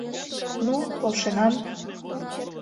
Ну, полшенам.